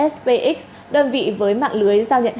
spx đơn vị với mạng lưới giao nhận hàng